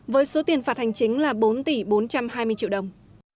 với số tiền phạt hành chính là bốn tỷ bốn trăm hai mươi triệu đồng